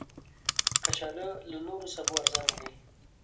کچالو له نورو سبو ارزانه دي